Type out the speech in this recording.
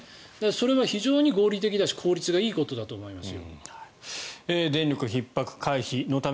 それは非常に合理的だし効率がいいことだと思います。